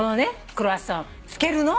クロワッサンをつけるの？って。